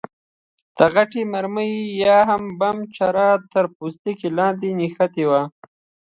د غټې مرمۍ یا بم چره یې تر پوستکي لاندې نښتې وه.